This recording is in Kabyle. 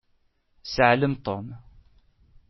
Sseɛlem Tom.